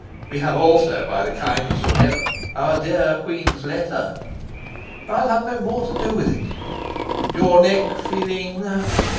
We have also, by the kindness of Heaven, our dear queen's letter." "I'll have no more to do with it." "Your neck feeling